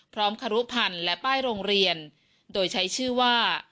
ครุพันธ์และป้ายโรงเรียนโดยใช้ชื่อว่า